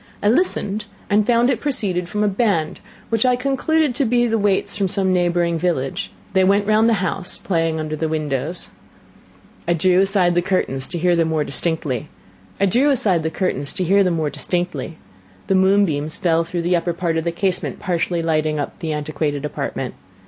I listened, and found it proceeded from a band, which I concluded to be the waits from some neighbouring village. They went round the house, playing under the windows. I drew aside the curtains, to hear them more distinctly. The moonbeams fell through the upper part of the casement, partially lighting up the antiquated apartment.